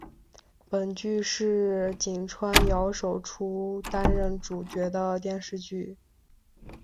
本剧是井川遥首出担当主角的电视剧。